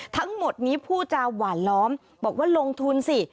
ทั้งหมดนี้ผู้จาหวานล้อมบอกว่าลงทุนสิ